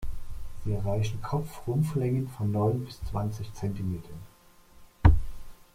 Sie erreichen Kopf-Rumpflängen von neun bis zwanzig Zentimetern.